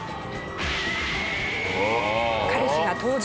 彼氏が登場。